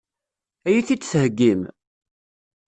Ad iyi-t-id-theggim?